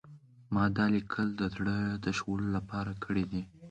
ما دا لیکل د زړه تشولو لپاره کړي دي